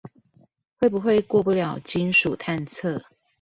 會不會過不了金屬探測